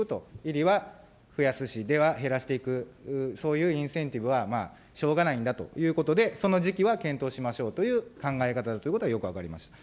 入りは増やすし、出は減らしていく、そういうインセンティブはしょうがないんだということで、その時期は検討しましょうという考え方だということはよく分かりました。